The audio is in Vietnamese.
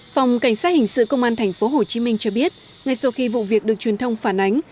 phòng cảnh sát hình sự công an tp hcm cho biết ngay sau khi vụ việc được truyền thông phản ánh